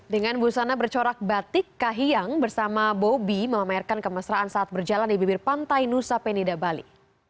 dengan busana bercorak batik kahiyang bersama bobby memamerkan kemesraan saat berjalan di bibir pantai nusa penida bali